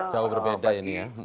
jauh berbeda ini ya